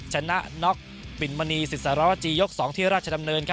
ชนะปิลมณีศิษราวราชียก๒ที่ราชดำเนิน